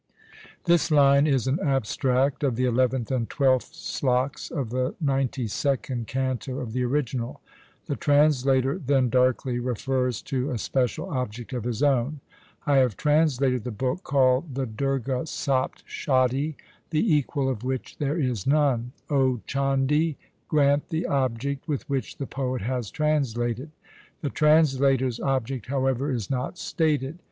This line is an abstract of the eleventh and twelfth sloks of the ninety second canto of the original. The translator then darkly refers to a special object of his own. ' I have trans lated the book called the Durga Sapt Shati, the equal of which there is none. O Chandi, grant the object with which the poet has translated.' The translator's object, however, is not stated.